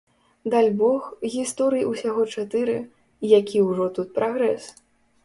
Дальбог, гісторый усяго чатыры, які ўжо тут прагрэс.